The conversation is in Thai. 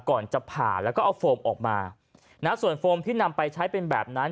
ก่อนจะผ่าแล้วก็เอาโฟมออกมานะส่วนโฟมที่นำไปใช้เป็นแบบนั้น